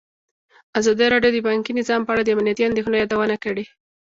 ازادي راډیو د بانکي نظام په اړه د امنیتي اندېښنو یادونه کړې.